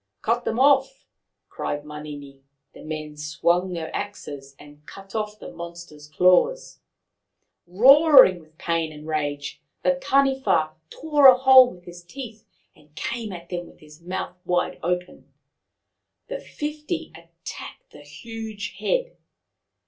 " Cut them off," cried Manini. The men swung their axes and cut off the monster's claws. Roaring with pain and rage, the Taniwha tore a hole with his teeth and came The Island and the Taniwha 175 at them with his mouth wide open. The fifty attacked the huge head.